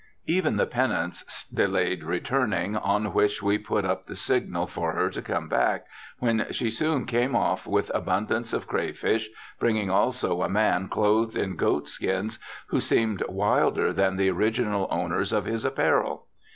Even the pinnance delayed returning, on which we put up the signal for her to come back, when she soon came off with abun dance of crayfish, bringing also a man clothed in goat skins, who seemed wilder than the original owners of his apparel.